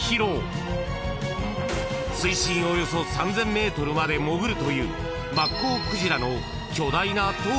［水深およそ３，０００ｍまで潜るという］